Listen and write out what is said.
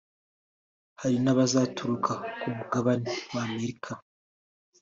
hari n’abazaturuka ku mugabane wa Amerika